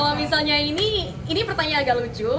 kalau misalnya ini pertanyaan agak lucu